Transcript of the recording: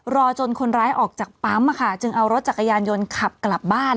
รอจนคนร้ายออกจากปั๊มจึงเอารถจักรยานยนต์ขับกลับบ้าน